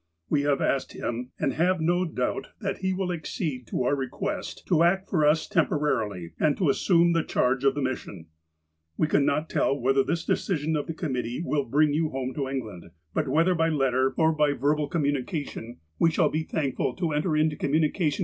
We have asked him, and have no doubt that he will accede to our request to act for us tem porarily, and to assume the charge of the mission. " We cannot tell whether this decision of the committee will bring you home to England, but whether by letter or by verbal ' Italicized by the author.